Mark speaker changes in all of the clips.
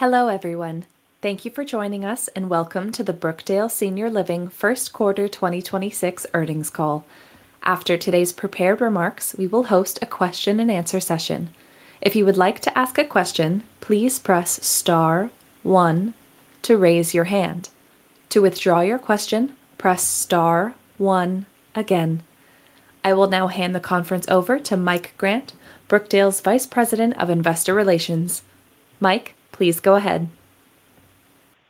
Speaker 1: Hello, everyone. Thank you for joining us, and welcome to the Brookdale Senior Living First Quarter 2026 earnings call. After today's prepared remarks, we will host a question-and-answer session. If you would like to ask a question, please press star one to raise your hand. To withdraw your question, press star one again. I will now hand the conference over to Mike Grant, Brookdale's Vice President of Investor Relations. Mike, please go ahead.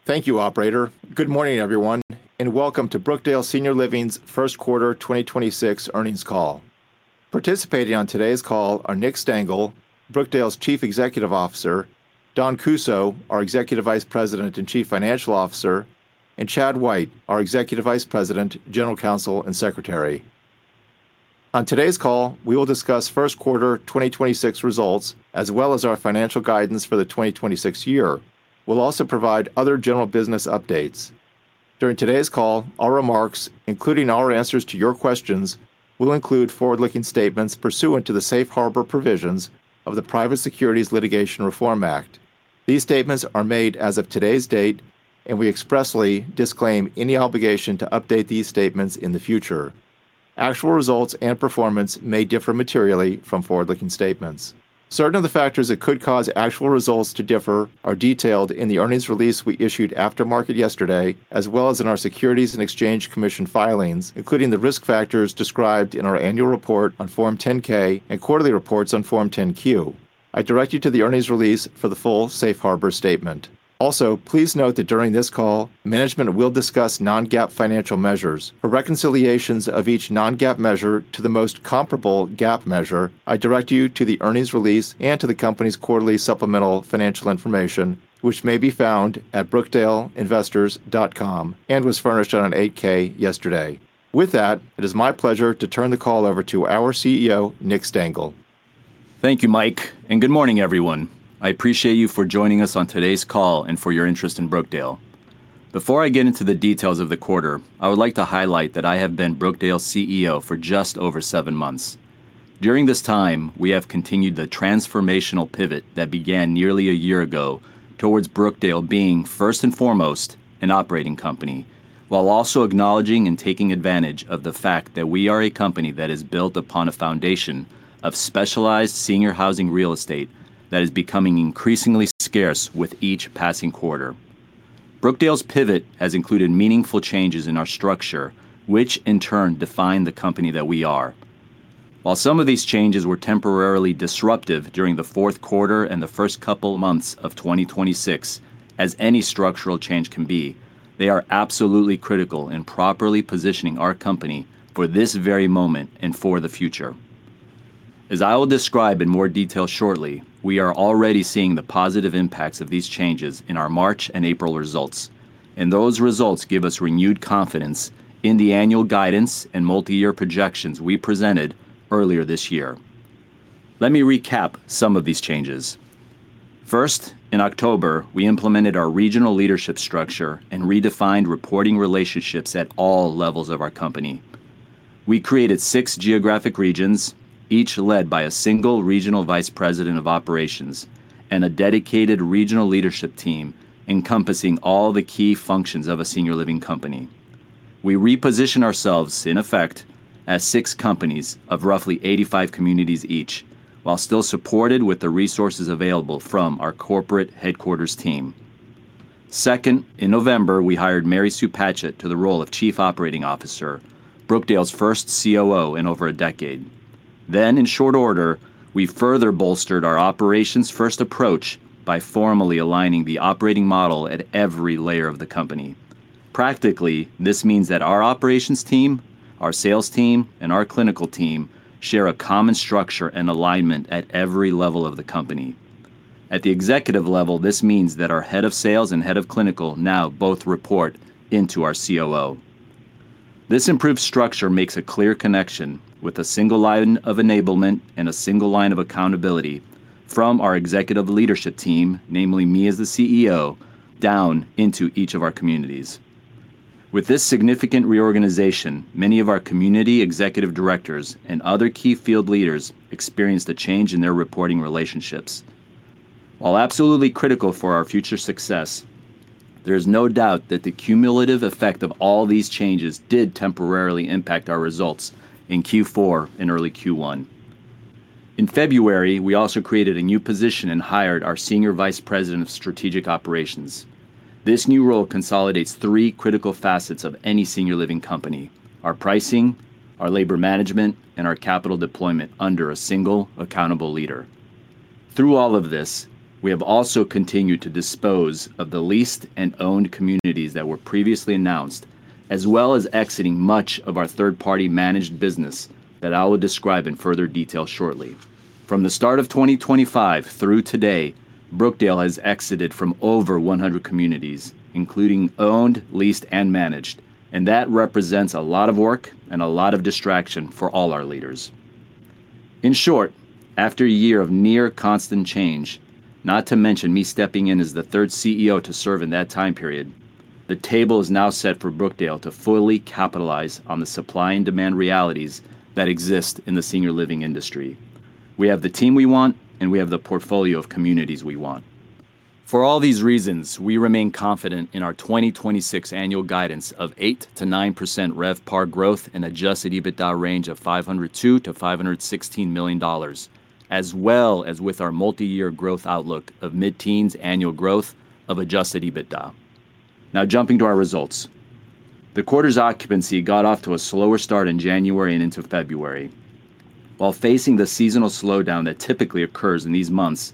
Speaker 2: Thank you, operator. Good morning, everyone, and welcome to Brookdale Senior Living's first quarter 2026 earnings call. Participating on today's call are Nick Stengle, Brookdale's Chief Executive Officer, Dawn Kussow, our Executive Vice President and Chief Financial Officer, and Chad White, our Executive Vice President, General Counsel and Secretary. On today's call, we will discuss first-quarter 2026 results as well as our financial guidance for the 2026 year. We'll also provide other general business updates. During today's call, our remarks, including our answers to your questions, will include forward-looking statements pursuant to the safe harbor provisions of the Private Securities Litigation Reform Act. These statements are made as of today's date, and we expressly disclaim any obligation to update these statements in the future. Actual results and performance may differ materially from forward-looking statements. Certain of the factors that could cause actual results to differ are detailed in the earnings release we issued after market yesterday, as well as in our Securities and Exchange Commission filings, including the risk factors described in our annual report on Form 10-K and quarterly reports on Form 10-Q. I direct you to the earnings release for the full safe harbor statement. Also, please note that during this call, management will discuss non-GAAP financial measures. For reconciliations of each non-GAAP measure to the most comparable GAAP measure, I direct you to the earnings release and to the company's quarterly supplemental financial information, which may be found at brookdaleinvestors.com and was furnished on an 8-K yesterday. With that, it is my pleasure to turn the call over to our CEO, Nick Stengle.
Speaker 3: Thank you, Mike, and good morning, everyone. I appreciate you for joining us on today's call and for your interest in Brookdale. Before I get into the details of the quarter, I would like to highlight that I have been Brookdale's CEO for just over seven months. During this time, we have continued the transformational pivot that began nearly a year ago towards Brookdale being first and foremost an operating company, while also acknowledging and taking advantage of the fact that we are a company that is built upon a foundation of specialized senior housing real estate that is becoming increasingly scarce with each passing quarter. Brookdale's pivot has included meaningful changes in our structure, which in turn define the company that we are. While some of these changes were temporarily disruptive during the fourth quarter and the first couple months of 2026, as any structural change can be, they are absolutely critical in properly positioning our company for this very moment and for the future. As I will describe in more detail shortly, we are already seeing the positive impacts of these changes in our March and April results, and those results give us renewed confidence in the annual guidance and multi-year projections we presented earlier this year. Let me recap some of these changes. First, in October, we implemented our regional leadership structure and redefined reporting relationships at all levels of our company. We created six geographic regions, each led by a single regional vice president of operations and a dedicated regional leadership team encompassing all the key functions of a senior living company. We reposition ourselves, in effect, as six companies of roughly 85 communities each, while still supported with the resources available from our corporate headquarters team. Second, in November, we hired Mary Sue Patchett to the role of Chief Operating Officer, Brookdale's first COO in over a decade. In short order, we further bolstered our operations first approach by formally aligning the operating model at every layer of the company. Practically, this means that our operations team, our sales team, and our clinical team share a common structure and alignment at every level of the company. At the executive level, this means that our head of sales and head of clinical now both report into our COO. This improved structure makes a clear connection with a single line of enablement and a single line of accountability from our executive leadership team, namely me as the CEO, down into each of our communities. With this significant reorganization, many of our community executive directors and other key field leaders experienced a change in their reporting relationships. While absolutely critical for our future success, there is no doubt that the cumulative effect of all these changes did temporarily impact our results in Q4 and early Q1. In February, we also created a new position and hired our Senior Vice President of Strategic Operations. This new role consolidates three critical facets of any senior living company, our pricing, our labor management, and our capital deployment under a single accountable leader. Through all of this, we have also continued to dispose of the leased and owned communities that were previously announced, as well as exiting much of our third-party managed business that I will describe in further detail shortly. From the start of 2025 through today, Brookdale has exited from over 100 communities, including owned, leased, and managed. That represents a lot of work and a lot of distraction for all our leaders. In short, after a year of near constant change, not to mention me stepping in as the third CEO to serve in that time period. The table is now set for Brookdale to fully capitalize on the supply and demand realities that exist in the senior living industry. We have the team we want. We have the portfolio of communities we want. For all these reasons, we remain confident in our 2026 annual guidance of 8%-9% RevPAR growth and adjusted EBITDA range of $502 million-$516 million, as well as with our multi-year growth outlook of mid-teens annual growth of adjusted EBITDA. Jumping to our results. The quarter's occupancy got off to a slower start in January and into February. While facing the seasonal slowdown that typically occurs in these months,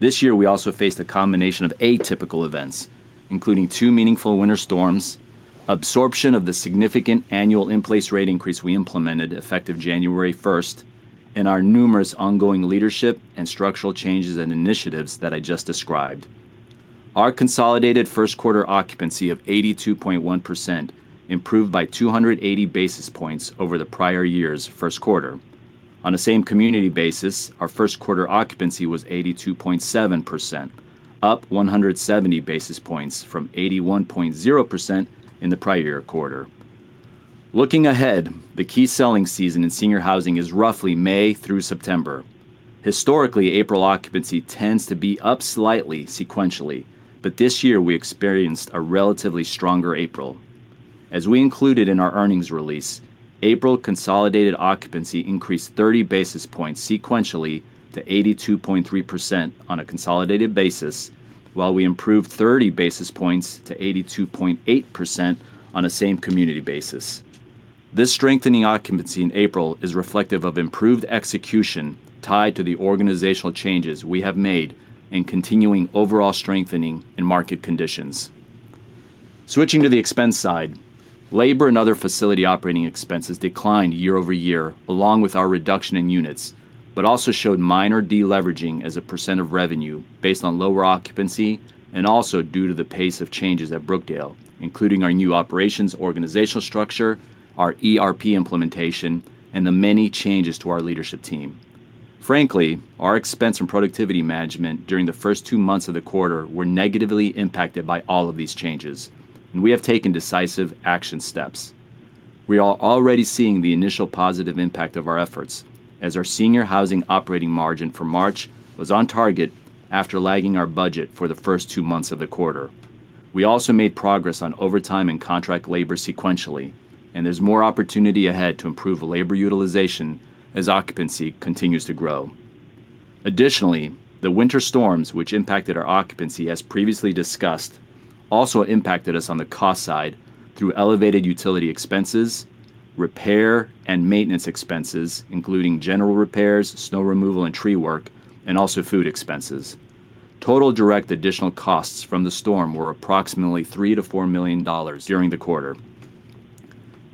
Speaker 3: this year we also faced a combination of atypical events, including two meaningful winter storms, absorption of the significant annual in-place rate increase we implemented effective January 1, and our numerous ongoing leadership and structural changes and initiatives that I just described. Our consolidated first quarter occupancy of 82.1% improved by 280 basis points over the prior year's first quarter. On a same-community basis, our first quarter occupancy was 82.7%, up 170 basis points from 81.0% in the prior year quarter. Looking ahead, the key selling season in senior housing is roughly May through September. Historically, April occupancy tends to be up slightly sequentially, but this year we experienced a relatively stronger April. As we included in our earnings release, April consolidated occupancy increased 30 basis points sequentially to 82.3% on a consolidated basis, while we improved 30 basis points to 82.8% on a same-community basis. This strengthening occupancy in April is reflective of improved execution tied to the organizational changes we have made and continuing overall strengthening in market conditions. Switching to the expense side, labor and other facility operating expenses declined year-over-year along with our reduction in units, but also showed minor de-leveraging as a percent of revenue based on lower occupancy and also due to the pace of changes at Brookdale, including our new operations organizational structure, our ERP implementation, and the many changes to our leadership team. Frankly, our expense and productivity management during the first two months of the quarter were negatively impacted by all of these changes, and we have taken decisive action steps. We are already seeing the initial positive impact of our efforts as our senior housing operating margin for March was on target after lagging our budget for the first two months of the quarter. We also made progress on overtime and contract labor sequentially, and there's more opportunity ahead to improve labor utilization as occupancy continues to grow. Additionally, the winter storms which impacted our occupancy as previously discussed also impacted us on the cost side through elevated utility expenses, repair and maintenance expenses, including general repairs, snow removal, and tree work, and also food expenses. Total direct additional costs from the storm were approximately $3 million-$4 million during the quarter.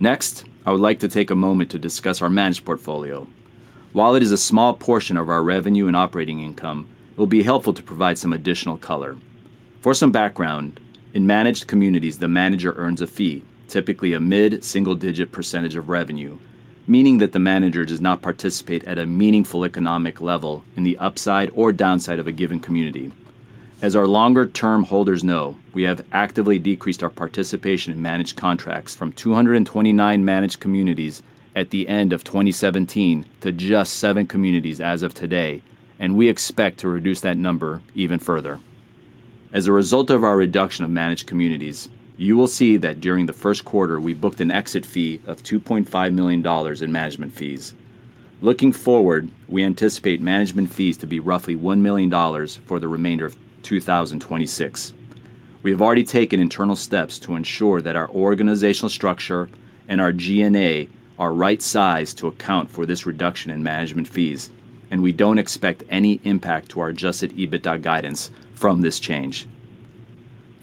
Speaker 3: I would like to take a moment to discuss our managed portfolio. While it is a small portion of our revenue and operating income, it will be helpful to provide some additional color. For some background, in managed communities, the manager earns a fee, typically a mid-single-digit percentage of revenue, meaning that the manager does not participate at a meaningful economic level in the upside or downside of a given community. As our longer-term holders know, we have actively decreased our participation in managed contracts from 229 managed communities at the end of 2017 to just seven communities as of today, and we expect to reduce that number even further. As a result of our reduction of managed communities, you will see that during the first quarter, we booked an exit fee of $2.5 million in management fees. Looking forward, we anticipate management fees to be roughly $1 million for the remainder of 2026. We have already taken internal steps to ensure that our organizational structure and our G&A are right-sized to account for this reduction in management fees. We don't expect any impact to our adjusted EBITDA guidance from this change.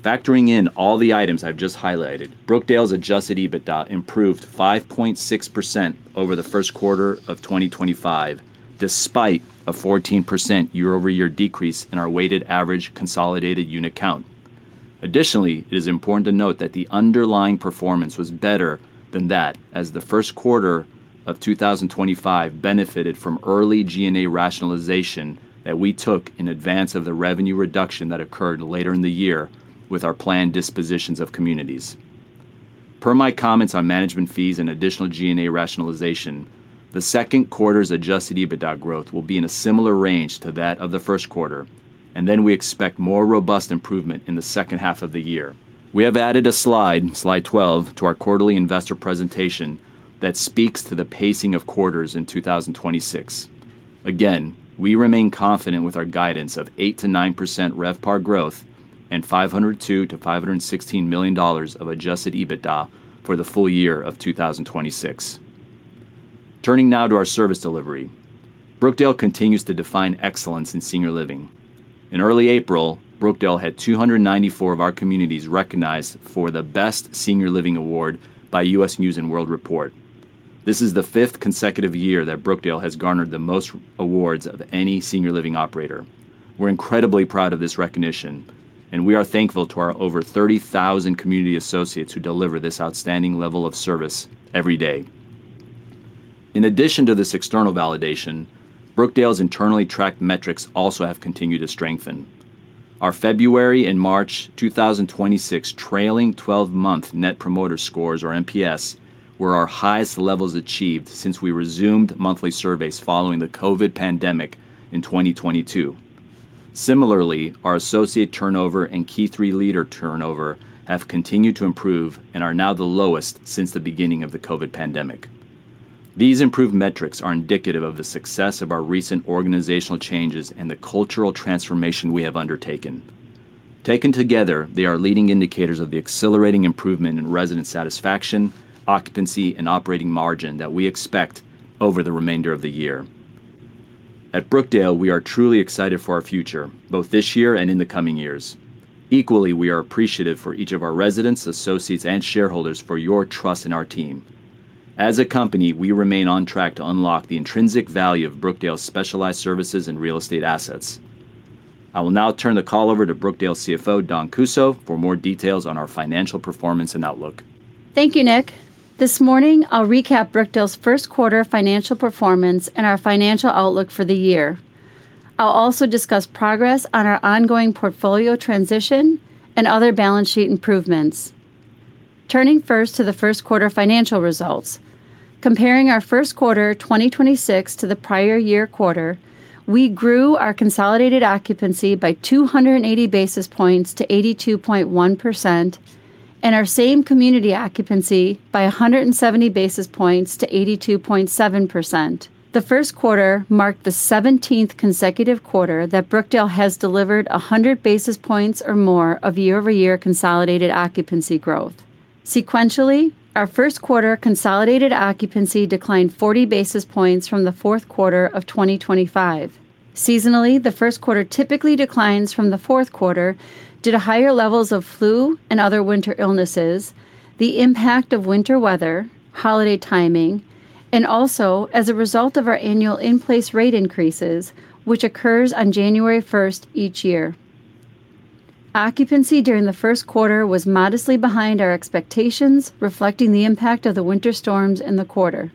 Speaker 3: Factoring in all the items I've just highlighted, Brookdale's adjusted EBITDA improved 5.6% over the first quarter of 2025, despite a 14% year-over-year decrease in our weighted average consolidated unit count. Additionally, it is important to note that the underlying performance was better than that as the first quarter of 2025 benefited from early G&A rationalization that we took in advance of the revenue reduction that occurred later in the year with our planned dispositions of communities. Per my comments on management fees and additional G&A rationalization, the second quarter's adjusted EBITDA growth will be in a similar range to that of the first quarter, and then we expect more robust improvement in the second half of the year. We have added a slide 12, to our quarterly investor presentation that speaks to the pacing of quarters in 2026. Again, we remain confident with our guidance of 8%-9% RevPAR growth and $502 million-$516 million of adjusted EBITDA for the full year of 2026. Turning now to our service delivery. Brookdale continues to define excellence in senior living. In early April, Brookdale had 294 of our communities recognized for the Best Senior Living Award by U.S. News & World Report. This is the 5th consecutive year that Brookdale has garnered the most awards of any senior living operator. We're incredibly proud of this recognition, and we are thankful to our over 30,000 community associates who deliver this outstanding level of service every day. In addition to this external validation, Brookdale's internally tracked metrics also have continued to strengthen. Our February and March 2026 trailing 12-month Net Promoter Scores or NPS, were our highest levels achieved since we resumed monthly surveys following the COVID pandemic in 2022. Similarly, our associate turnover and Key Three leader turnover have continued to improve and are now the lowest since the beginning of the COVID pandemic. These improved metrics are indicative of the success of our recent organizational changes and the cultural transformation we have undertaken. Taken together, they are leading indicators of the accelerating improvement in resident satisfaction, occupancy, and operating margin that we expect over the remainder of the year. At Brookdale, we are truly excited for our future, both this year and in the coming years. Equally, we are appreciative for each of our residents, associates, and shareholders for your trust in our team. As a company, we remain on track to unlock the intrinsic value of Brookdale's specialized services and real estate assets. I will now turn the call over to Brookdale CFO Dawn Kussow for more details on our financial performance and outlook.
Speaker 4: Thank you, Nick. This morning, I'll recap Brookdale's first-quarter financial performance and our financial outlook for the year. I'll also discuss progress on our ongoing portfolio transition and other balance sheet improvements. Turning first to the first quarter financial results. Comparing our first quarter 2026 to the prior year quarter, we grew our consolidated occupancy by 280 basis points to 82.1% and our same community occupancy by 170 basis points to 82.7%. The first quarter marked the 17th consecutive quarter that Brookdale has delivered 100 basis points or more of year-over-year consolidated occupancy growth. Sequentially, our first quarter consolidated occupancy declined 40 basis points from the fourth quarter of 2025. Seasonally, the first quarter typically declines from the fourth quarter due to higher levels of flu and other winter illnesses, the impact of winter weather, holiday timing, and also as a result of our annual in-place rate increases, which occurs on January 1st each year. Occupancy during the 1st quarter was modestly behind our expectations, reflecting the impact of the winter storms in the quarter.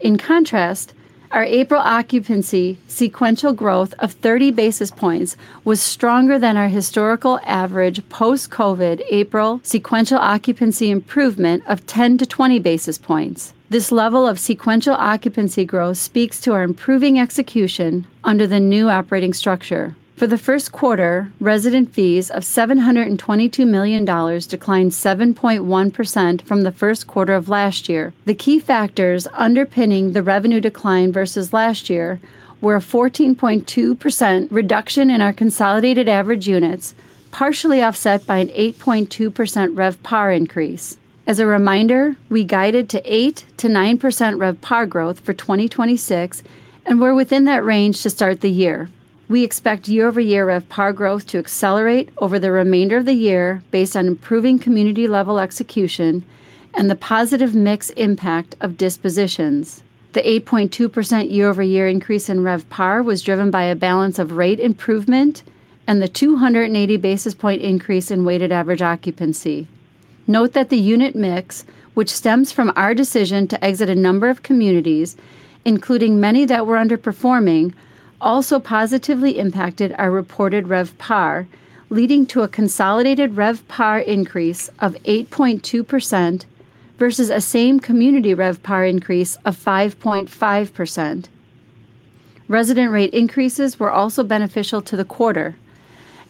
Speaker 4: In contrast, our April occupancy sequential growth of 30 basis points was stronger than our historical average post-COVID April sequential occupancy improvement of 10-20 basis points. This level of sequential occupancy growth speaks to our improving execution under the new operating structure. For the 1st quarter, resident fees of $722 million declined 7.1% from the first quarter of last year. The key factors underpinning the revenue decline versus last year were a 14.2% reduction in our consolidated average units, partially offset by an 8.2% RevPAR increase. As a reminder, we guided to 8%-9% RevPAR growth for 2026, and we're within that range to start the year. We expect year-over-year RevPAR growth to accelerate over the remainder of the year based on improving community-level execution and the positive mix impact of dispositions. The 8.2% year-over-year increase in RevPAR was driven by a balance of rate improvement and the 280 basis point increase in weighted average occupancy. Note that the unit mix, which stems from our decision to exit a number of communities, including many that were underperforming, also positively impacted our reported RevPAR, leading to a consolidated RevPAR increase of 8.2% versus a same-community RevPAR increase of 5.5%. Resident rate increases were also beneficial to the quarter,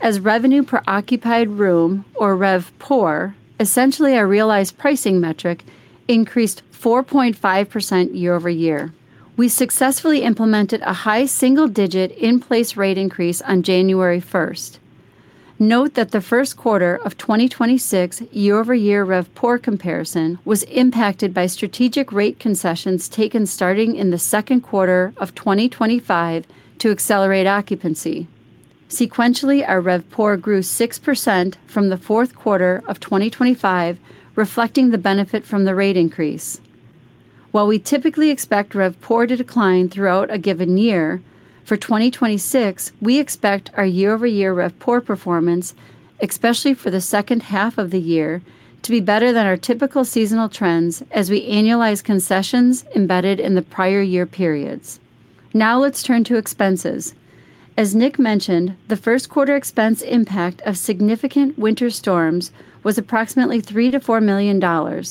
Speaker 4: as revenue per occupied room, or RevPOR, essentially a realized pricing metric, increased 4.5% year-over-year. We successfully implemented a high single-digit in-place rate increase on January 1st. Note that the first quarter of 2026 year-over-year RevPOR comparison was impacted by strategic rate concessions taken starting in the second quarter of 2025 to accelerate occupancy. Sequentially, our RevPOR grew 6% from the fourth quarter of 2025, reflecting the benefit from the rate increase. While we typically expect RevPOR to decline throughout a given year, for 2026, we expect our year-over-year RevPOR performance, especially for the second half of the year, to be better than our typical seasonal trends as we annualize concessions embedded in the prior year periods. Now let's turn to expenses. As Nick mentioned, the first quarter expense impact of significant winter storms was approximately $3 million-$4 million.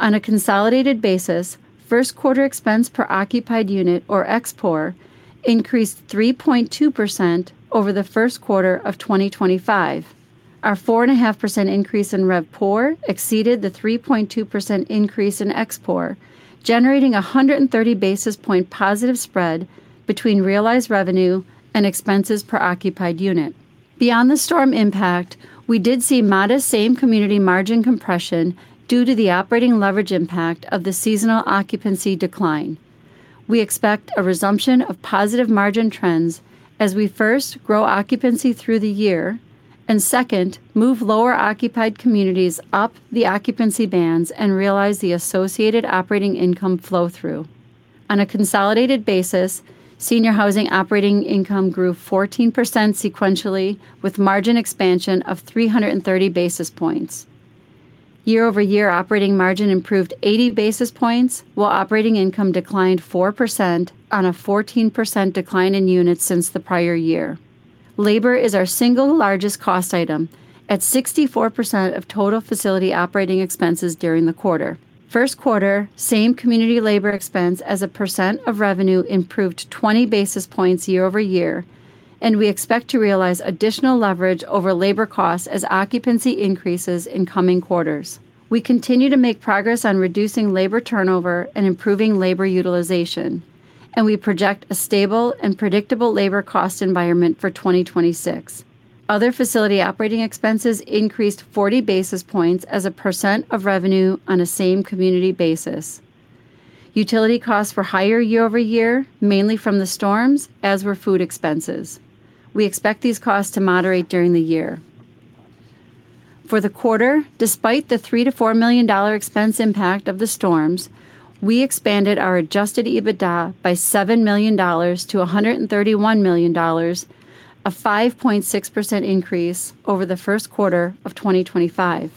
Speaker 4: On a consolidated basis, first-quarter expense per occupied unit, or ExPOR, increased 3.2% over the first quarter of 2025. Our 4.5% increase in RevPOR exceeded the 3.2% increase in ExPOR, generating 130 basis point positive spread between realized revenue and expenses per occupied unit. Beyond the storm impact, we did see modest same community margin compression due to the operating leverage impact of the seasonal occupancy decline. We expect a resumption of positive margin trends as we first grow occupancy through the year and second, move lower occupied communities up the occupancy bands and realize the associated operating income flow through. On a consolidated basis, senior housing operating income grew 14% sequentially with margin expansion of 330 basis points. Year-over-year operating margin improved 80 basis points while operating income declined 4% on a 14% decline in units since the prior year. Labor is our single largest cost item at 64% of total facility operating expenses during the quarter. First quarter, same community labor expense as a percent of revenue improved 20 basis points year-over-year, and we expect to realize additional leverage over labor costs as occupancy increases in coming quarters. We continue to make progress on reducing labor turnover and improving labor utilization, and we project a stable and predictable labor cost environment for 2026. Other facility operating expenses increased 40 basis points as a percent of revenue on a same community basis. Utility costs were higher year-over-year, mainly from the storms, as were food expenses. We expect these costs to moderate during the year. For the quarter, despite the $3 million-$4 million expense impact of the storms, we expanded our adjusted EBITDA by $7 million to $131 million, a 5.6% increase over the first quarter of 2025.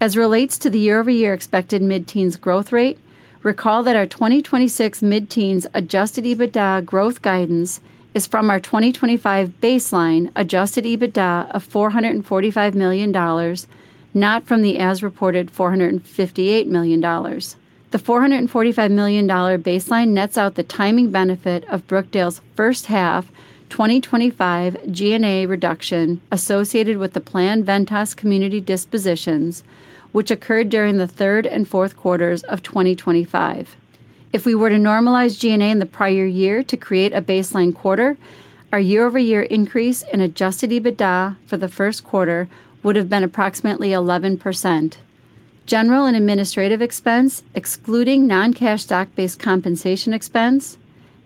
Speaker 4: As relates to the year-over-year expected mid-teens growth rate, recall that our 2026 mid-teens adjusted EBITDA growth guidance is from our 2025 baseline adjusted EBITDA of $445 million, not from the as reported $458 million. The $445 million baseline nets out the timing benefit of Brookdale's first half 2025 G&A reduction associated with the planned Ventas community dispositions, which occurred during the third and fourth quarters of 2025. If we were to normalize G&A in the prior year to create a baseline quarter, our year-over-year increase in Adjusted EBITDA for the first quarter would have been approximately 11%. General and administrative expense, excluding non-cash stock-based compensation expense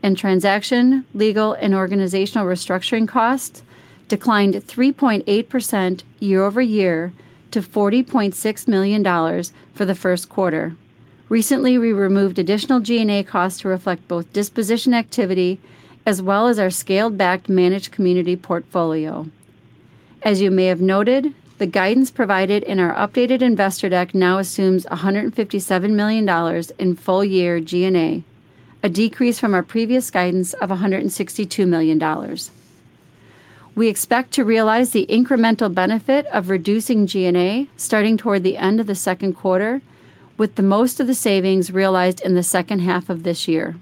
Speaker 4: and transaction, legal, and organizational restructuring costs, declined 3.8% year-over-year to $40.6 million for the first quarter. Recently, we removed additional G&A costs to reflect both disposition activity as well as our scaled-back managed community portfolio. As you may have noted, the guidance provided in our updated investor deck now assumes $157 million in full year G&A, a decrease from our previous guidance of $162 million. We expect to realize the incremental benefit of reducing G&A starting toward the end of the second quarter with most of the savings realized in the second half of this year.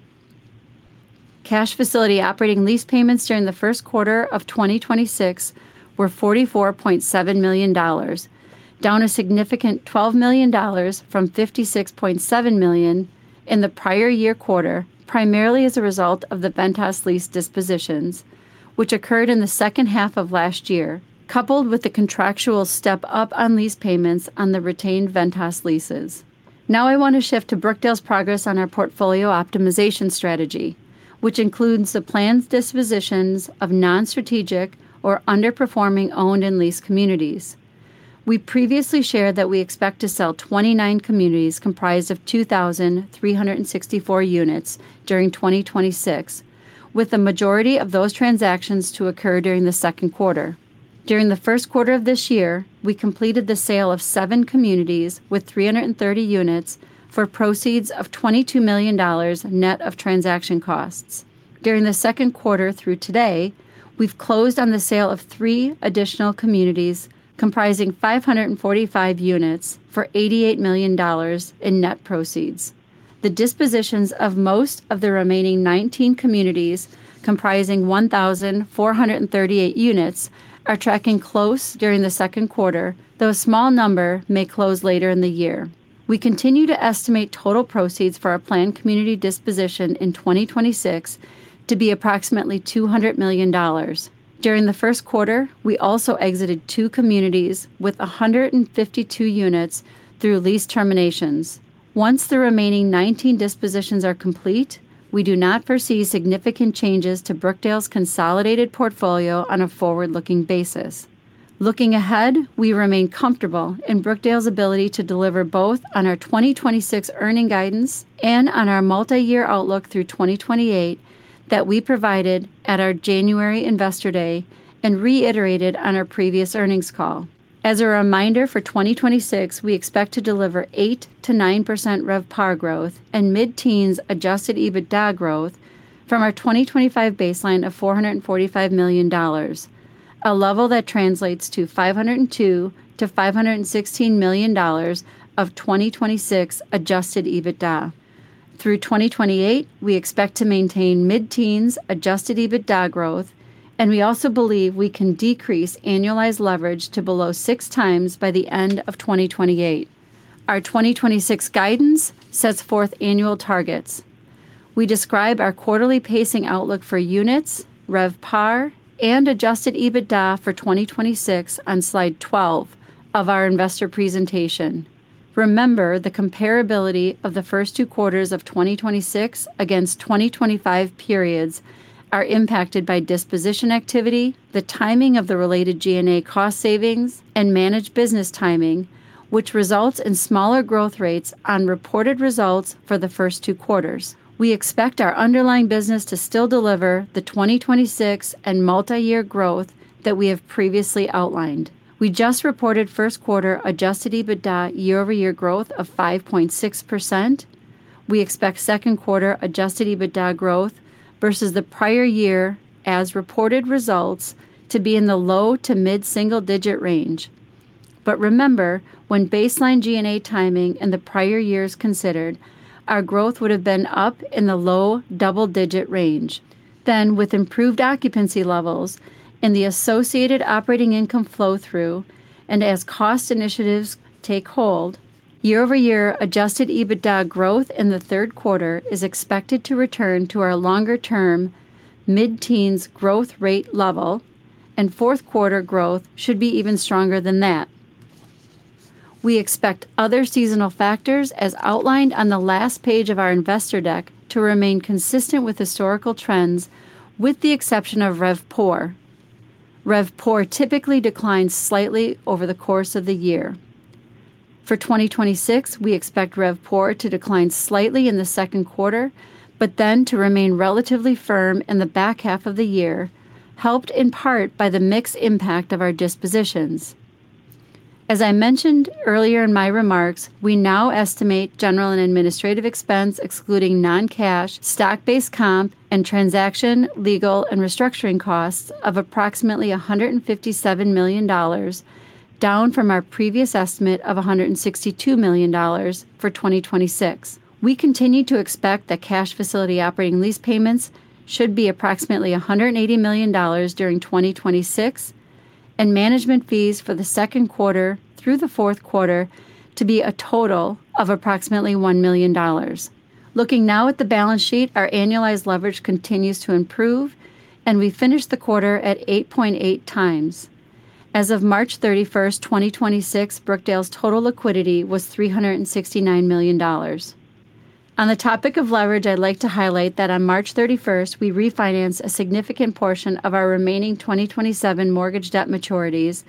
Speaker 4: Cash facility operating lease payments during the first quarter of 2026 were $44.7 million, down a significant $12 million from $56.7 million in the prior year quarter, primarily as a result of the Ventas lease dispositions, which occurred in the second half of last year, coupled with the contractual step-up on lease payments on the retained Ventas leases. Now I want to shift to Brookdale's progress on our portfolio optimization strategy, which includes the planned dispositions of non-strategic or underperforming owned and leased communities. We previously shared that we expect to sell 29 communities comprised of 2,364 units during 2026, with the majority of those transactions to occur during the second quarter. During the first quarter of this year, we completed the sale of seven communities with 330 units for proceeds of $22 million net of transaction costs. During the second quarter through today, we've closed on the sale of three additional communities comprising 545 units for $88 million in net proceeds. The dispositions of most of the remaining 19 communities comprising 1,438 units are tracking close during the second quarter, though a small number may close later in the year. We continue to estimate total proceeds for our planned community disposition in 2026 to be approximately $200 million. During the first quarter, we also exited two communities with 152 units through lease terminations. Once the remaining 19 dispositions are complete, we do not foresee significant changes to Brookdale's consolidated portfolio on a forward-looking basis. Looking ahead, we remain comfortable in Brookdale's ability to deliver both on our 2026 earning guidance and on our multi-year outlook through 2028 that we provided at our January Investor Day and reiterated on our previous earnings call. As a reminder, for 2026, we expect to deliver 8%-9% RevPAR growth and mid-teens adjusted EBITDA growth from our 2025 baseline of $445 million, a level that translates to $502 million-$516 million of 2026 adjusted EBITDA. Through 2028, we expect to maintain mid-teens adjusted EBITDA growth, and we also believe we can decrease annualized leverage to below 6x by the end of 2028. Our 2026 guidance sets forth annual targets. We describe our quarterly pacing outlook for units, RevPAR, and adjusted EBITDA for 2026 on slide 12 of our investor presentation. Remember, the comparability of the first two quarters of 2026 against 2025 periods are impacted by disposition activity, the timing of the related G&A cost savings, and managed business timing, which results in smaller growth rates on reported results for the first two quarters. We expect our underlying business to still deliver the 2026 and multi-year growth that we have previously outlined. We just reported first-quarter adjusted EBITDA year-over-year growth of 5.6%. We expect second-quarter adjusted EBITDA growth versus the prior year as reported results to be in the low to mid-single-digit range. Remember, when baseline G&A timing in the prior years considered, our growth would have been up in the low double-digit range. With improved occupancy levels and the associated operating income flow through and as cost initiatives take hold, year-over-year adjusted EBITDA growth in the third quarter is expected to return to our longer term mid-teens growth rate level, and fourth quarter growth should be even stronger than that. We expect other seasonal factors, as outlined on the last page of our investor deck, to remain consistent with historical trends, with the exception of RevPOR. RevPOR typically declines slightly over the course of the year. For 2026, we expect RevPOR to decline slightly in the second quarter, but then to remain relatively firm in the back half of the year, helped in part by the mixed impact of our dispositions. As I mentioned earlier in my remarks, we now estimate general and administrative expense excluding non-cash, stock-based comp, and transaction, legal, and restructuring costs of approximately $157 million, down from our previous estimate of $162 million for 2026. We continue to expect that cash facility operating lease payments should be approximately $180 million during 2026, and management fees for the 2Q through the 4Q to be a total of approximately $1 million. Looking now at the balance sheet, our annualized leverage continues to improve, and we finished the quarter at 8.8x. As of March 31, 2026, Brookdale's total liquidity was $369 million. On the topic of leverage, I'd like to highlight that on March 31st, we refinanced a significant portion of our remaining 2027 mortgage debt maturities,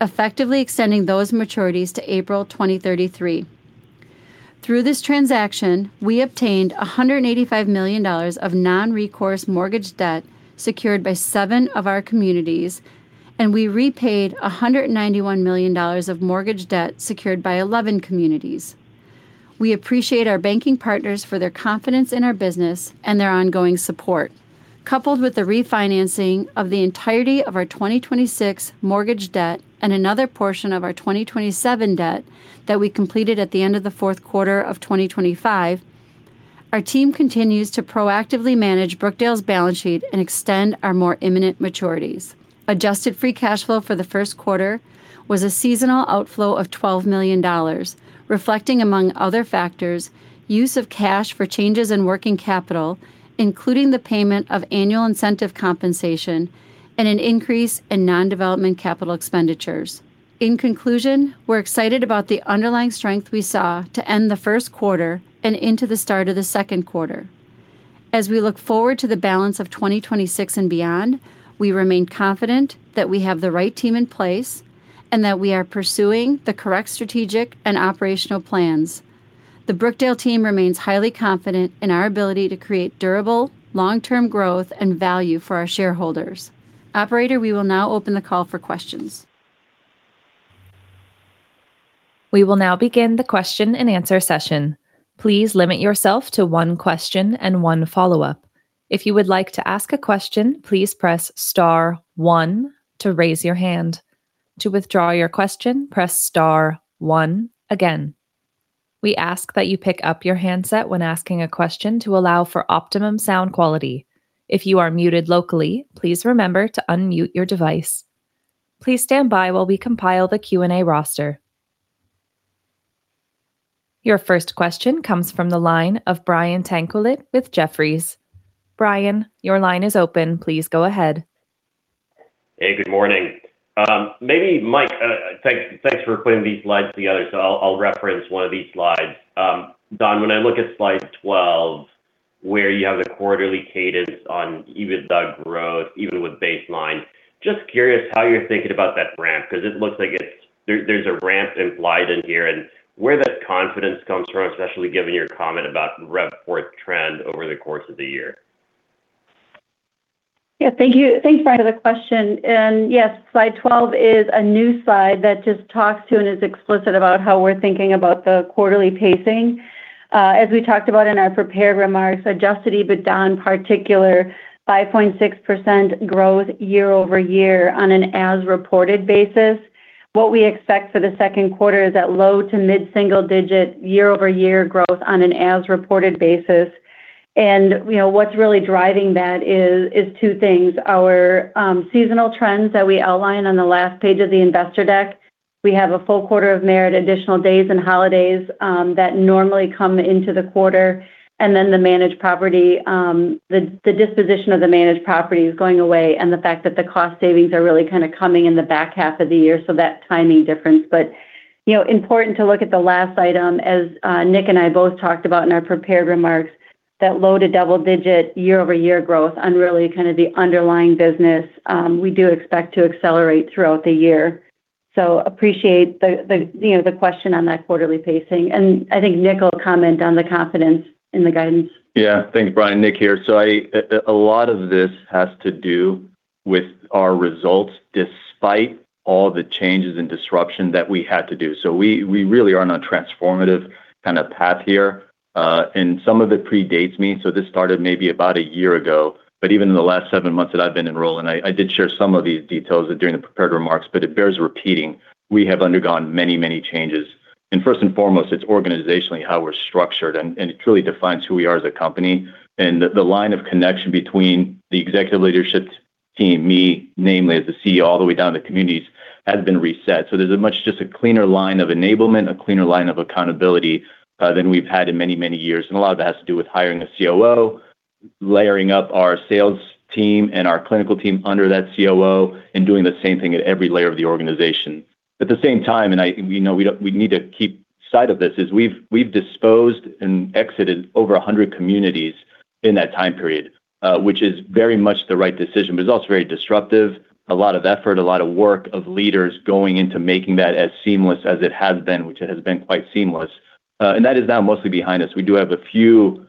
Speaker 4: effectively extending those maturities to April 2033. Through this transaction, we obtained $185 million of non-recourse mortgage debt secured by seven of our communities, and we repaid $191 million of mortgage debt secured by 11 communities. We appreciate our banking partners for their confidence in our business and their ongoing support. Coupled with the refinancing of the entirety of our 2026 mortgage debt and another portion of our 2027 debt that we completed at the end of the fourth quarter of 2025, our team continues to proactively manage Brookdale's balance sheet and extend our more imminent maturities. Adjusted Free Cash Flow for the first quarter was a seasonal outflow of $12 million, reflecting, among other factors, use of cash for changes in working capital, including the payment of annual incentive compensation and an increase in non-development capital expenditures. In conclusion, we're excited about the underlying strength we saw to end the first quarter and into the start of the second quarter. As we look forward to the balance of 2026 and beyond, we remain confident that we have the right team in place and that we are pursuing the correct strategic and operational plans. The Brookdale team remains highly confident in our ability to create durable, long-term growth and value for our shareholders. Operator, we will now open the call for questions.
Speaker 1: We will now begin the question-and-answer session. Please limit yourself to one question and one follow-up. If you would like to ask a question, please press star one to raise your hand. To withdraw your question, press star one again. We ask that you pick up your handset when asking a question to allow for optimum sound quality. If you are muted locally, please remember to unmute your device. Please stand by while we compile the Q&A roster. Your first question comes from the line of Brian Tanquilut with Jefferies. Brian, your line is open. Please go ahead.
Speaker 5: Hey, good morning. Maybe Mike, thanks for putting these slides together. I'll reference one of these slides. Dawn, when I look at slide 12, where you have the quarterly cadence on EBITDA growth, even with baseline, just curious how you're thinking about that ramp because it looks like there's a ramp implied in here and where that confidence comes from, especially given your comment about RevPOR trend over the course of the year.
Speaker 4: Yeah. Thank you. Thanks, Brian, for the question. Yes, slide 12 is a new slide that just talks to and is explicit about how we're thinking about the quarterly pacing. As we talked about in our prepared remarks, adjusted EBITDA, in particular, 5.6% growth year-over-year on an as-reported basis. What we expect for the second quarter is that low to mid-single-digit year-over-year growth on an as-reported basis. You know, what's really driving that is two things, our seasonal trends that we outlined on the last page of the investor deck. We have a full quarter of merit additional days and holidays that normally come into the quarter. The managed property, the disposition of the managed property is going away and the fact that the cost savings are really kind of coming in the back half of the year, so that timing difference. You know, important to look at the last item, as Nick and I both talked about in our prepared remarks. That low to double-digit year-over-year growth on really kind of the underlying business, we do expect to accelerate throughout the year. appreciate, you know, the question on that quarterly pacing. I think Nick will comment on the confidence in the guidance.
Speaker 3: Thanks, Brian. Nick here. A lot of this has to do with our results despite all the changes and disruption that we had to do. We really are on a transformative kind of path here. Some of it predates me, this started maybe about a year ago. Even in the last seven months that I've been in role, I did share some of these details during the prepared remarks, it bears repeating. We have undergone many changes. First and foremost, it's organizationally how we're structured and it truly defines who we are as a company. The line of connection between the executive leadership team, me namely as the CEO, all the way down to communities has been reset. There's a much just a cleaner line of enablement, a cleaner line of accountability than we've had in many, many years, and a lot of it has to do with hiring a COO, layering up our sales team and our clinical team under that COO and doing the same thing at every layer of the organization. At the same time, you know, we need to keep sight of this, is we've disposed and exited over 100 communities in that time period, which is very much the right decision. It's also very disruptive. A lot of effort, a lot of work of leaders going into making that as seamless as it has been, which it has been quite seamless. That is now mostly behind us. We do have a few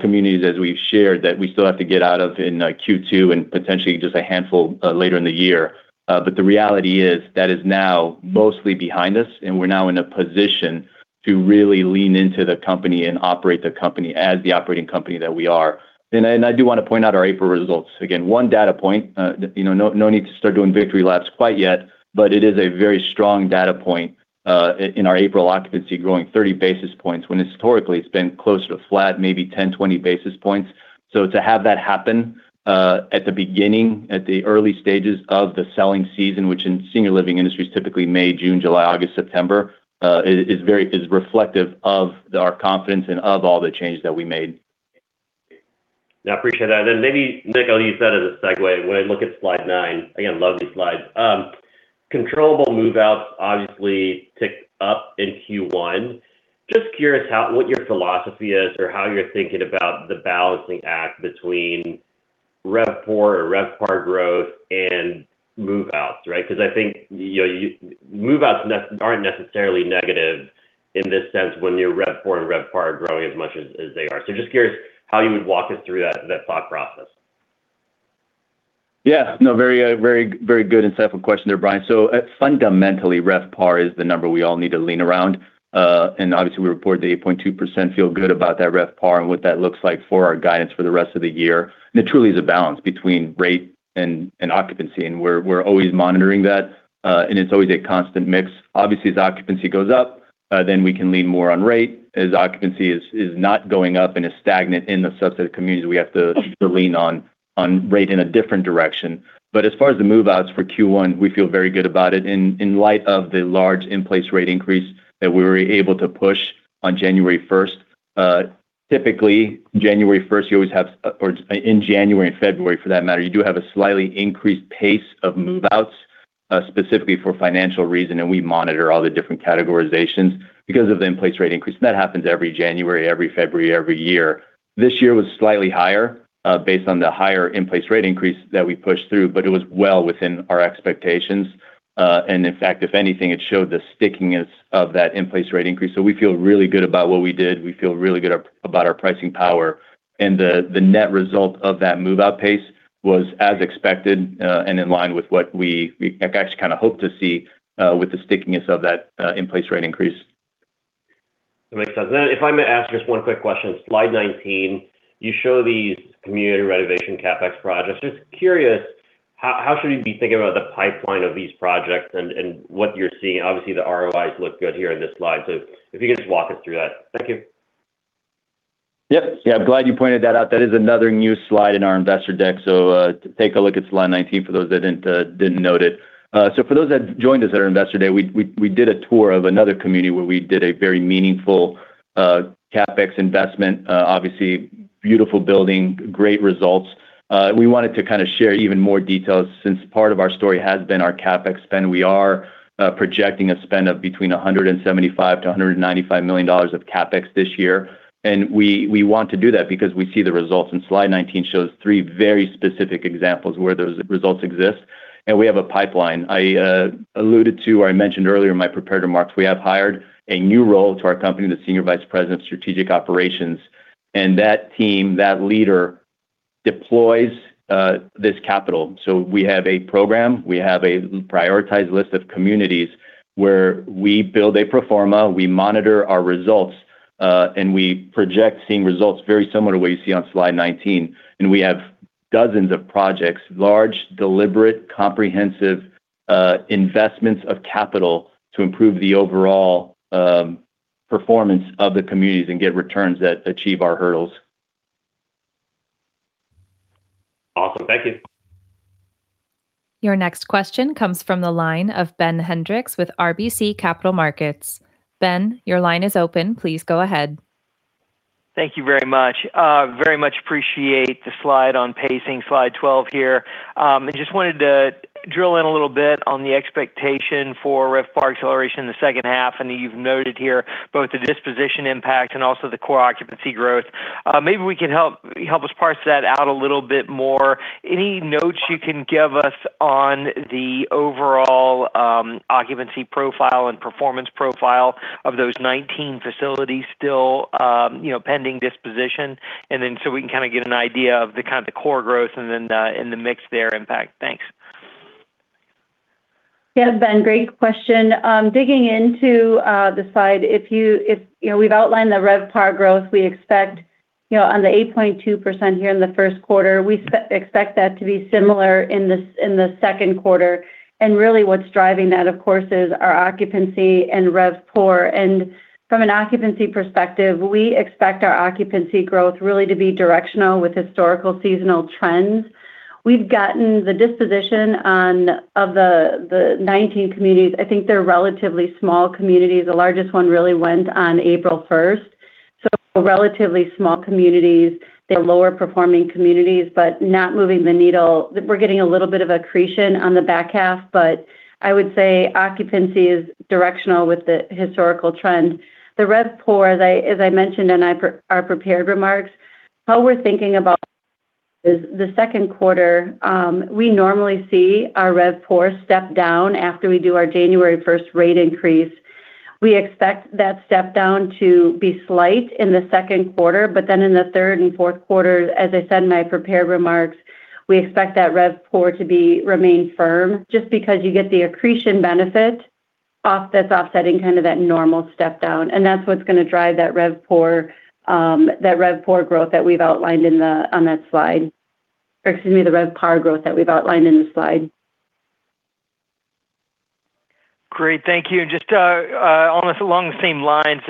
Speaker 3: communities as we've shared that we still have to get out of in Q2 and potentially just a handful later in the year. The reality is, that is now mostly behind us, and we're now in a position to really lean into the company and operate the company as the operating company that we are. I do want to point out our April results. Again, one data point, you know, no need to start doing victory laps quite yet, but it is a very strong data point in our April occupancy growing 30 basis points when historically it's been closer to flat, maybe 10, 20 basis points. To have that happen, at the beginning, at the early stages of the selling season, which in senior living industry is typically May, June, July, August, September, is reflective of our confidence and of all the changes that we made.
Speaker 5: Yeah, appreciate that. Then maybe, Nick, I'll use that as a segue. When I look at slide 9, again, love these slides. Controllable move-outs obviously ticked up in Q1. Just curious what your philosophy is or how you're thinking about the balancing act between RevPAR or RevPAR growth and move-outs, right? 'Cause I think, you know, move-outs aren't necessarily negative in this sense when your RevPOR and RevPAR are growing as much as they are. Just curious how you would walk us through that thought process.
Speaker 3: Yeah. No, very, very, very good insightful question there, Brian. Fundamentally, RevPAR is the number we all need to lean around. Obviously we reported the 8.2%, feel good about that RevPAR and what that looks like for our guidance for the rest of the year. It truly is a balance between rate and occupancy, and we're always monitoring that. It's always a constant mix. Obviously, as occupancy goes up, then we can lean more on rate. As occupancy is not going up and is stagnant in the subset of communities, we have to lean on rate in a different direction. As far as the move-outs for Q1, we feel very good about it in light of the large in-place rate increase that we were able to push on January first. Typically, January 1st, you always have, in January and February for that matter, you do have a slightly increased pace of move-outs, specifically for financial reason, and we monitor all the different categorizations because of the in-place rate increase. That happens every January, every February, every year. This year was slightly higher, based on the higher in-place rate increase that we pushed through, but it was well within our expectations. In fact, if anything, it showed the stickiness of that in-place rate increase. We feel really good about what we did. We feel really good about our pricing power. The net result of that move-out pace was as expected, and in line with what we actually kind of hoped to see, with the stickiness of that, in-place rate increase.
Speaker 5: That makes sense. If I may ask just one quick question. Slide 19, you show these community renovation CapEx projects. Just curious, how should we be thinking about the pipeline of these projects and what you're seeing? Obviously, the ROIs look good here in this slide. If you could just walk us through that. Thank you.
Speaker 3: Yep. Yeah, I'm glad you pointed that out. That is another new slide in our investor deck. Take a look at slide 19 for those that didn't note it. For those that joined us at our Investor Day, we did a tour of another community where we did a very meaningful CapEx investment. Obviously beautiful building, great results. We wanted to kind of share even more details since part of our story has been our CapEx spend. We are projecting a spend of between $175 million to $195 million of CapEx this year. We want to do that because we see the results. Slide 19 shows 3 very specific examples where those results exist. We have a pipeline. I alluded to or I mentioned earlier in my prepared remarks, we have hired a new role to our company, the Senior Vice President of Strategic Operations, and that team, that leader deploys this capital. We have a program, we have a prioritized list of communities where we build a pro forma, we monitor our results, and we project seeing results very similar to what you see on slide 19. We have dozens of projects, large, deliberate, comprehensive investments of capital to improve the overall performance of the communities and get returns that achieve our hurdles.
Speaker 5: Awesome. Thank you.
Speaker 1: Your next question comes from the line of Ben Hendrix with RBC Capital Markets. Ben, your line is open. Please go ahead.
Speaker 6: Thank you very much. Very much appreciate the slide on pacing, slide 12 here. Just wanted to drill in a little bit on the expectation for RevPAR acceleration in the second half. I know you've noted here both the disposition impact and also the core occupancy growth. Maybe we can help us parse that out a little bit more. Any notes you can give us on the overall occupancy profile and performance profile of those 19 facilities still, you know, pending disposition, and then so we can kind of get an idea of the kind of the core growth and the mix there impact. Thanks.
Speaker 4: Yeah, Ben, great question. Digging into the slide, you know, we've outlined the RevPAR growth we expect, you know, on the 8.2% here in the first quarter. We expect that to be similar in the second quarter. Really what's driving that, of course, is our occupancy and RevPOR. From an occupancy perspective, we expect our occupancy growth really to be directional with historical seasonal trends. We've gotten the disposition of the 19 communities. I think they're relatively small communities. The largest one really went on April 1st. Relatively small communities. They're lower performing communities, but not moving the needle. We're getting a little bit of accretion on the back half, but I would say occupancy is directional with the historical trend. The RevPOR, as I mentioned in our prepared remarks, how we're thinking about the second quarter, we normally see our RevPOR step down after we do our January 1st rate increase. We expect that step down to be slight in the second quarter, in the third and fourth quarter, as I said in my prepared remarks, we expect that RevPOR to remain firm, just because you get the accretion benefit that's offsetting kind of that normal step down, and that's what's going to drive that RevPOR growth that we've outlined on that slide. Or excuse me, the RevPAR growth that we've outlined in the slide.
Speaker 6: Great. Thank you. Just almost along the same lines,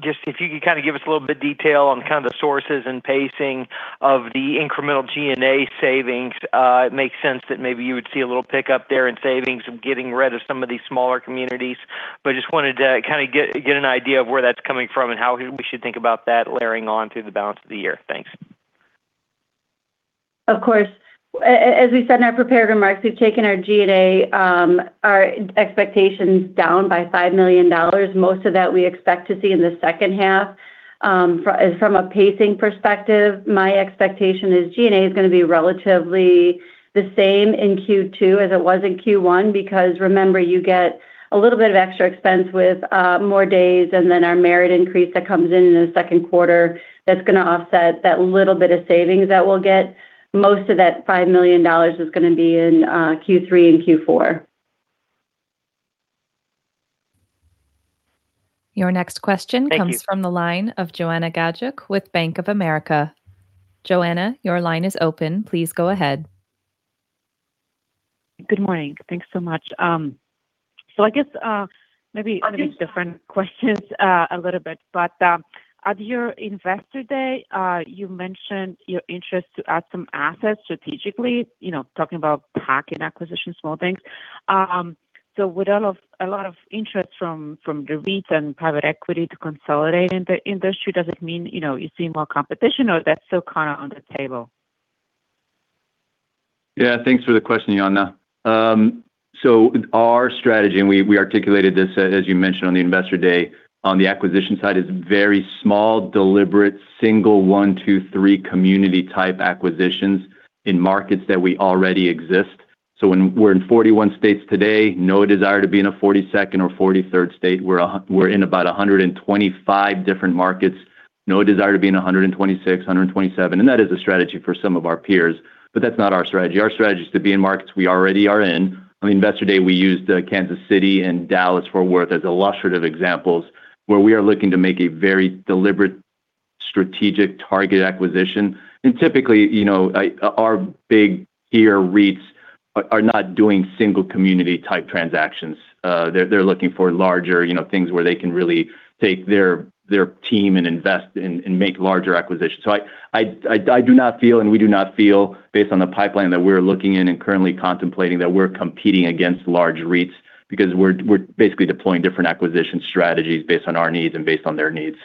Speaker 6: just if you could kind of give us a little bit of detail on kind of the sources and pacing of the incremental G&A savings. It makes sense that maybe you would see a little pickup there in savings from getting rid of some of these smaller communities. Just wanted to kind of get an idea of where that's coming from and how we should think about that layering on through the balance of the year. Thanks.
Speaker 4: Of course. As we said in our prepared remarks, we've taken our G&A, our expectations down by $5 million. Most of that we expect to see in the second half. From a pacing perspective, my expectation is G&A is going to be relatively the same in Q2 as it was in Q1, because remember, you get a little bit of extra expense with more days, and then our merit increase that comes in in the second quarter, that's going to offset that little bit of savings that we'll get. Most of that $5 million is going to be in Q3 and Q4.
Speaker 1: Your next question comes from the line of Joanna Gajuk with Bank of America. Joanna, your line is open. Please go ahead.
Speaker 7: Good morning. Thanks so much. I guess, maybe a different question, a little bit. At your Investor Day, you mentioned your interest to add some assets strategically, you know, talking about tuck-in acquisition, small things. With all of, a lot of interest from the REITs and private equity to consolidate in the industry, does it mean, you know, you're seeing more competition or that's still kind of on the table?
Speaker 3: Yeah. Thanks for the question, Joanna. Our strategy, and we articulated this, as you mentioned on the Investor Day, on the acquisition side is very small, deliberate, single 1, 2, 3 community type acquisitions in markets that we already exist. When we're in 41 states today, no desire to be in a 42nd or 43rd state. We're in about 125 different markets, no desire to be in 126, 127. That is a strategy for some of our peers, but that's not our strategy. Our strategy is to be in markets we already are in. On Investor Day, we used Kansas City and Dallas-Fort Worth as illustrative examples where we are looking to make a very deliberate strategic target acquisition. Typically, you know, our big tier REITs are not doing single community type transactions. They're looking for larger, you know, things where they can really take their team and invest and make larger acquisitions. I do not feel, and we do not feel based on the pipeline that we're looking in and currently contemplating that we're competing against large REITs because we're basically deploying different acquisition strategies based on our needs and based on their needs.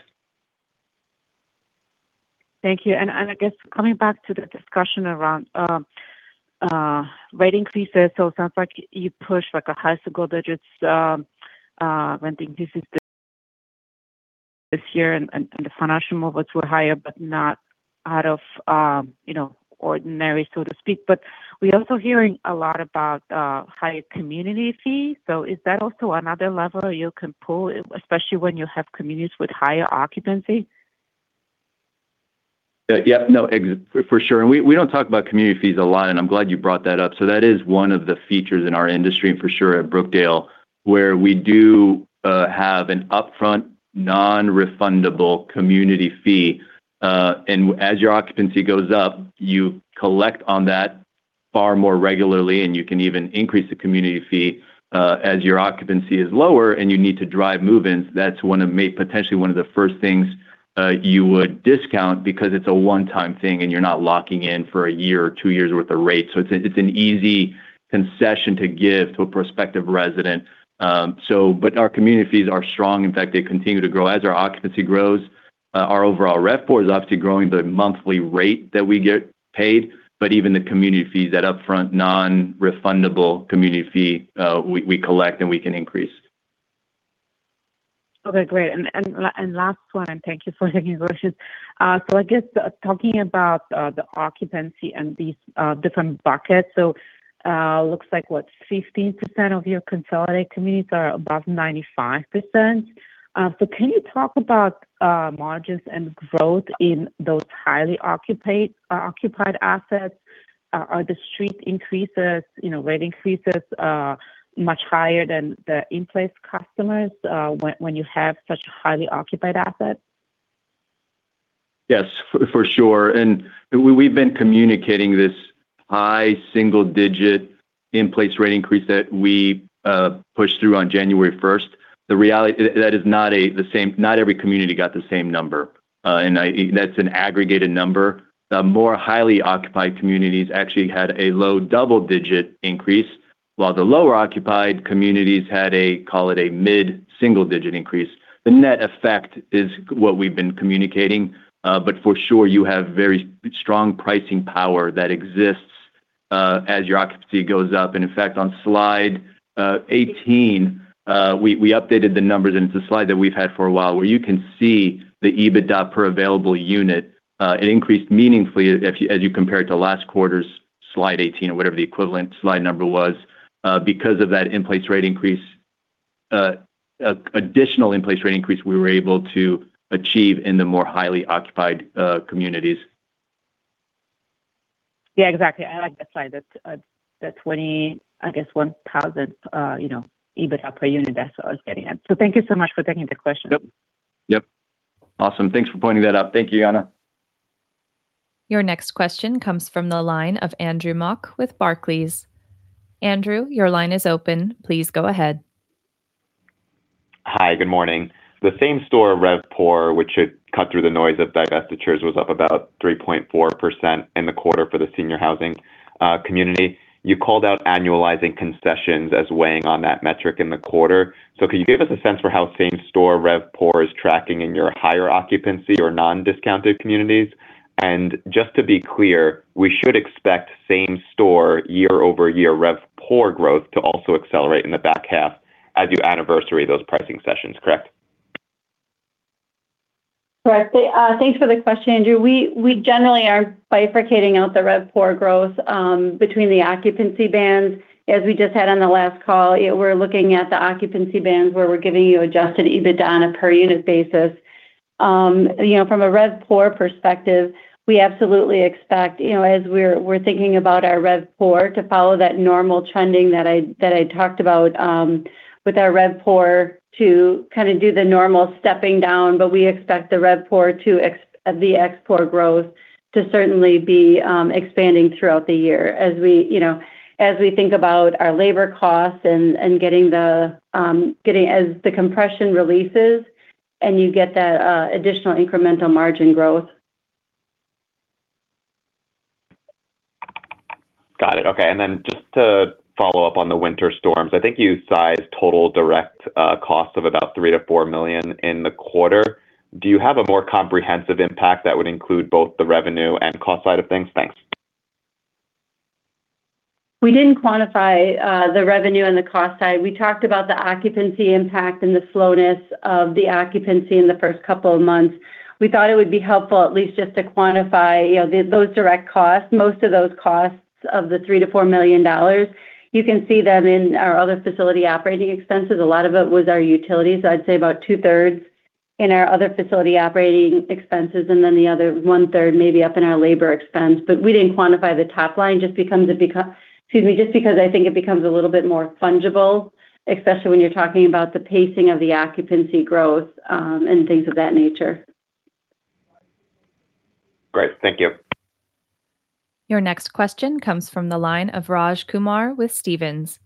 Speaker 7: Thank you. And I guess coming back to the discussion around rate increases. It sounds like you pushed like a high single digits renting increases this year and the financial movements were higher, but not out of, you know, ordinary, so to speak. We're also hearing a lot about higher community fee. Is that also another lever you can pull, especially when you have communities with higher occupancy?
Speaker 3: Yeah, no, for sure. We don't talk about community fees a lot, and I'm glad you brought that up. That is one of the features in our industry, and for sure at Brookdale, where we do have an upfront non-refundable community fee. As your occupancy goes up, you collect on that far more regularly, and you can even increase the community fee. As your occupancy is lower and you need to drive move-ins, that's one of potentially one of the first things you would discount because it's a one-time thing and you're not locking in for a year or two years worth of rates. It's an easy concession to give to a prospective resident. Our community fees are strong. In fact, they continue to grow. As our occupancy grows, our overall RevPOR is obviously growing the monthly rate that we get paid. Even the community fees, that upfront non-refundable community fee, we collect and we can increase.
Speaker 7: Okay, great. Last one, thank you for taking these questions. I guess, talking about the occupancy and these different buckets. Looks like, what? 15% of your consolidated communities are above 95%. Can you talk about margins and growth in those highly occupied assets? Are the street increases, you know, rate increases, much higher than the in-place customers, when you have such highly occupied assets?
Speaker 3: Yes, for sure. We've been communicating this high single digit in-place rate increase that we pushed through on January 1st. The reality that is not a, not every community got the same number. I, that's an aggregated number. The more highly occupied communities actually had a low double digit increase, while the lower occupied communities had a, call it a mid-single digit increase. The net effect is what we've been communicating. For sure, you have very strong pricing power that exists as your occupancy goes up. In fact, on slide 18, we updated the numbers, and it's a slide that we've had for a while, where you can see the EBITDA per available unit. It increased meaningfully as you compare it to last quarter's slide 18 or whatever the equivalent slide number was. Because of that in-place rate increase, additional in-place rate increase we were able to achieve in the more highly occupied communities.
Speaker 7: Yeah, exactly. I like that slide. That 20, I guess 1,000, you know, EBITDA per unit. That's what I was getting at. Thank you so much for taking the question.
Speaker 3: Yep. Awesome. Thanks for pointing that out. Thank you, Joanna.
Speaker 1: Your next question comes from the line of Andrew Mok with Barclays. Andrew, your line is open. Please go ahead.
Speaker 8: Hi, good morning. The same store RevPOR, which should cut through the noise of divestitures, was up about 3.4% in the quarter for the senior housing community. You called out annualizing concessions as weighing on that metric in the quarter. Can you give us a sense for how same store RevPOR is tracking in your higher occupancy or non-discounted communities? Just to be clear, we should expect same store year-over-year RevPOR growth to also accelerate in the back half as you anniversary those pricing sessions, correct?
Speaker 4: Correct. Thanks for the question, Andrew. We generally are bifurcating out the RevPOR growth between the occupancy bands. As we just had on the last call, we're looking at the occupancy bands where we're giving you adjusted EBITDA on a per unit basis. From a RevPOR perspective, we absolutely expect as we're thinking about our RevPOR to follow that normal trending that I talked about, with our RevPOR to kind of do the normal stepping down, but we expect the RevPOR to the ExPOR growth to certainly be expanding throughout the year as we think about our labor costs and getting As the compression releases and you get that additional incremental margin growth.
Speaker 8: Got it. Okay. Just to follow up on the winter storms. I think you sized total direct cost of about $3 million-$4 million in the quarter. Do you have a more comprehensive impact that would include both the revenue and cost side of things? Thanks.
Speaker 4: We didn't quantify the revenue and the cost side. We talked about the occupancy impact and the slowness of the occupancy in the first couple of months. We thought it would be helpful at least just to quantify, you know, those direct costs. Most of those costs, of the $3 million-$4 million, you can see them in our other facility operating expenses. A lot of it was our utilities. I'd say about 2/3 in our other facility operating expenses, and then the other 1/3 maybe up in our labor expense. We didn't quantify the top line just because I think it becomes a little bit more fungible, especially when you're talking about the pacing of the occupancy growth and things of that nature.
Speaker 8: Great. Thank you.
Speaker 1: Your next question comes from the line of Raj Kumar with Stephens.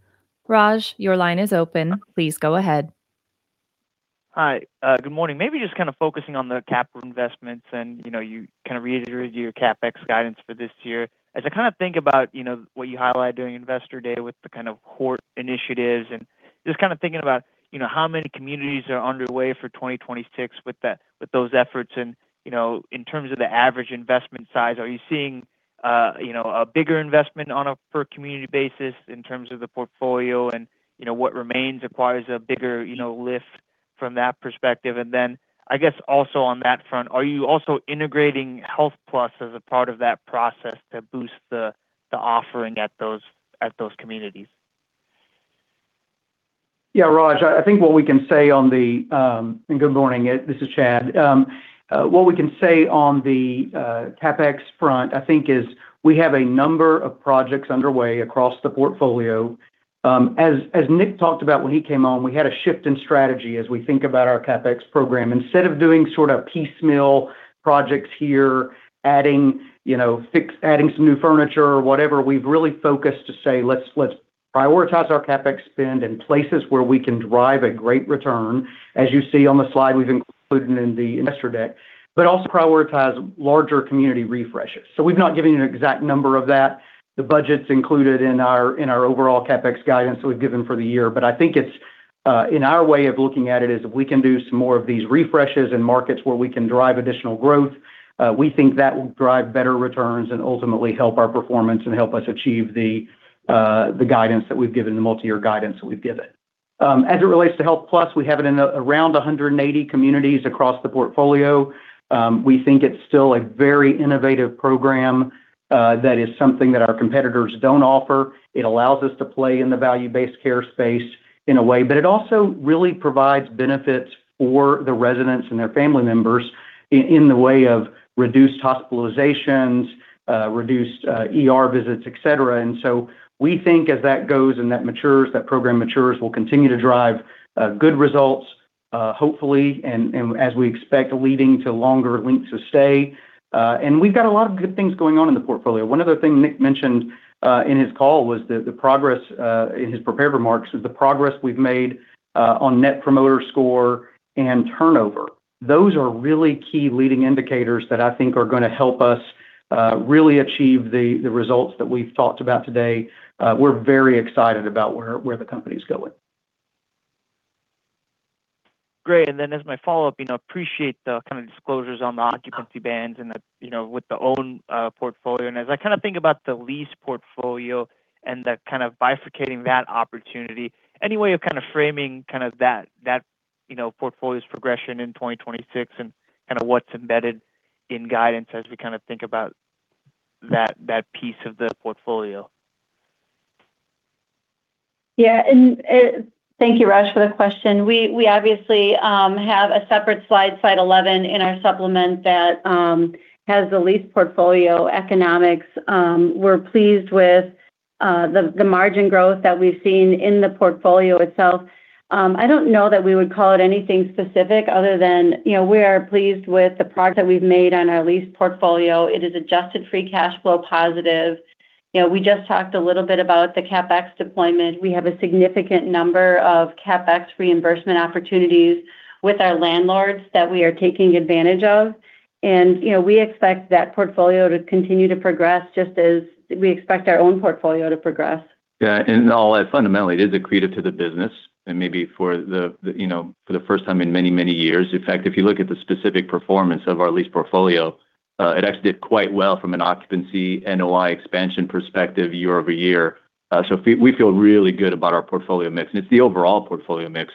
Speaker 1: Raj, your line is open. Please go ahead.
Speaker 9: Hi. Good morning. Maybe just kind of focusing on the capital investments and, you know, you kind of reiterated your CapEx guidance for this year. As I kind of think about, you know, what you highlight during Investor Day with the kind of core initiatives and just kind of thinking about, you know, how many communities are underway for 2026 with those efforts and, you know, in terms of the average investment size. Are you seeing, you know, a bigger investment on a per community basis in terms of the portfolio and, you know, what remains requires a bigger, you know, lift from that perspective? I guess also on that front, are you also integrating Brookdale HealthPlus as a part of that process to boost the offering at those, at those communities?
Speaker 10: Raj Kumar, I think what we can say on the. Good morning. This is Chad. What we can say on the CapEx front, I think is we have a number of projects underway across the portfolio. As Nick talked about when he came on, we had a shift in strategy as we think about our CapEx program. Instead of doing sort of piecemeal projects here, adding, you know, fix, adding some new furniture or whatever, we've really focused to say, "Let's prioritize our CapEx spend in places where we can drive a great return," as you see on the slide we've included in the investor deck, but also prioritize larger community refreshes. We've not given you an exact number of that. The budget's included in our overall CapEx guidance we've given for the year. I think in our way of looking at it, is if we can do some more of these refreshes in markets where we can drive additional growth, we think that will drive better returns and ultimately help our performance and help us achieve the guidance that we've given, the multi-year guidance that we've given. As it relates to Brookdale HealthPlus, we have it in around 180 communities across the portfolio. We think it's still a very innovative program that is something that our competitors don't offer. It allows us to play in the value-based care space in a way. It also really provides benefits for the residents and their family members in the way of reduced hospitalizations, reduced ER visits, eta. We think as that goes and that matures, that program matures, we'll continue to drive good results, hopefully and as we expect leading to longer lengths of stay. We've got a lot of good things going on in the portfolio. One other thing Nick mentioned in his call was the progress in his prepared remarks, the progress we've made on Net Promoter Score and turnover. Those are really key leading indicators that I think are going to help us really achieve the results that we've talked about today. We're very excited about where the company's going.
Speaker 9: Great. Then as my follow-up, you know, appreciate the kind of disclosures on the occupancy bands and the, you know, with the own portfolio. As I kind of think about the lease portfolio and the kind of bifurcating that opportunity, any way of kind of framing kind of that, you know, portfolio's progression in 2026 and kind of what's embedded in guidance as we kind of think about that piece of the portfolio?
Speaker 4: Thank you, Raj for the question. We obviously have a separate slide 11, in our supplement that has the lease portfolio economics. We're pleased with the margin growth that we've seen in the portfolio itself. I don't know that we would call it anything specific other than, you know, we are pleased with the progress that we've made on our lease portfolio. It is Adjusted Free Cash Flow positive. You know, we just talked a little bit about the CapEx deployment. We have a significant number of CapEx reimbursement opportunities with our landlords that we are taking advantage of. You know, we expect that portfolio to continue to progress just as we expect our own portfolio to progress.
Speaker 3: Yeah. All that fundamentally is accretive to the business and maybe for the, you know, for the first time in many years. In fact, if you look at the specific performance of our lease portfolio, it actually did quite well from an occupancy NOI expansion perspective year-over-year. We feel really good about our portfolio mix, and it's the overall portfolio mix.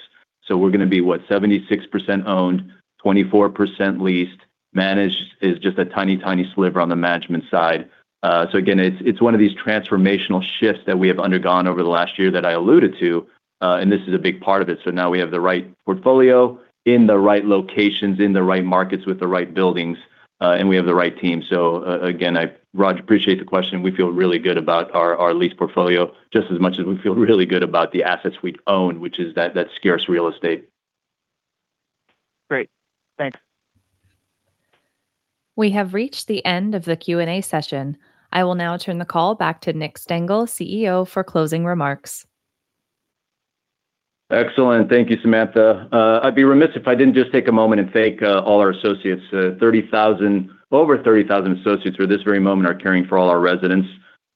Speaker 3: We're going to be, what? 76% owned, 24% leased. Managed is just a tiny sliver on the management side. Again, it's one of these transformational shifts that we have undergone over the last year that I alluded to, and this is a big part of it. Now we have the right portfolio in the right locations, in the right markets with the right buildings, and we have the right team. Again, I, Raj, appreciate the question. We feel really good about our lease portfolio just as much as we feel really good about the assets we own, which is that scarce real estate.
Speaker 9: Great. Thanks.
Speaker 1: We have reached the end of the Q&A session. I will now turn the call back to Nick Stengle, CEO, for closing remarks.
Speaker 3: Excellent. Thank you, Samantha. I'd be remiss if I didn't just take a moment and thank all our associates. Over 30,000 associates who at this very moment are caring for all our residents.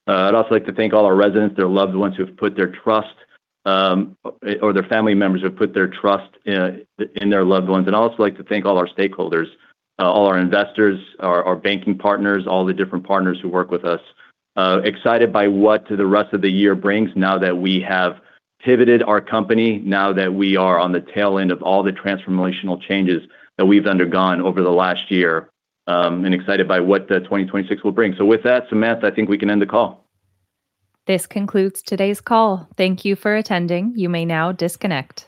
Speaker 3: I'd also like to thank all our residents, their loved ones who have put their trust, or their family members who have put their trust in their loved ones. I'd also like to thank all our stakeholders, all our investors, our banking partners, all the different partners who work with us. Excited by what the rest of the year brings, now that we have pivoted our company, now that we are on the tail end of all the transformational changes that we've undergone over the last year, and excited by what 2026 will bring. With that, Samantha, I think we can end the call.
Speaker 1: This concludes today's call. Thank you for attending. You may now disconnect.